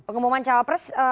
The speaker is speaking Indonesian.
pengumuman cawa press